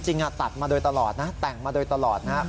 จริงตัดมาโดยตลอดนะแต่งมาโดยตลอดนะ